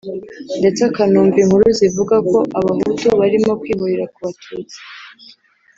ndetse akanumva inkuru zivuga ko Abahutu barimo kwihorera ku Batutsi